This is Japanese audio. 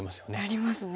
なりますね。